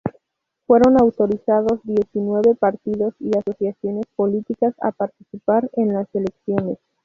Fueron autorizados diecinueve partidos y asociaciones políticas a participar en las elecciones.